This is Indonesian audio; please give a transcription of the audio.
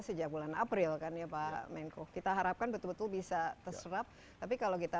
sejak bulan april kan ya pak menko kita harapkan betul betul bisa terserap tapi kalau kita